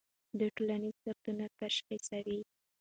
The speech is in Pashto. دوی ټولنیز دردونه تشخیصوي.